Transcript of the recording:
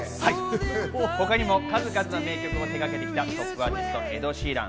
他にも数々の名曲を手がけてきたトップアーティスト、エド・シーラン。